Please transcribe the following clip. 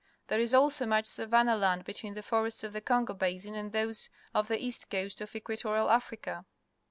There is also much savanna land between the forests of the Congo basin and those of the east coast of Equatorial Africa.